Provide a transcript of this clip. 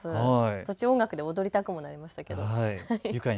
途中、音楽で踊りたくもなりましたけど。